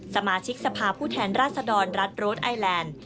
สมาชิกสภาพผู้แทนราชดรรัฐโรดไอแลนด์